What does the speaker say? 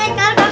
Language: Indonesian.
tanda buta stop